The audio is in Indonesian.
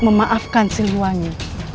memaafkan si luanya